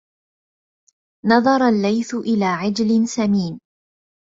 نظر الليث إلى عجل سمين